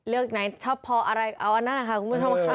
ไหนชอบพออะไรเอาอันนั้นนะคะคุณผู้ชมค่ะ